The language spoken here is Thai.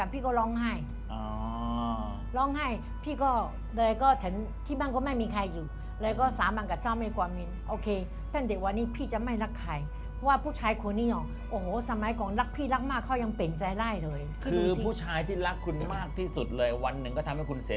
พี่ก็รู้ว่าฉันก็เกลียดแล้วเหมือนกัน